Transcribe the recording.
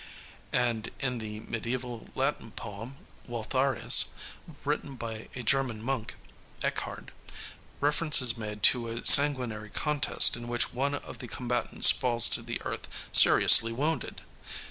And in the mediæval Latin poem, Waltharius, written by a German monk, Ekkehard, reference is made to a sanguinary contest in which one of the combatants falls to the earth seriously wounded.